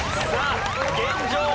さあ現状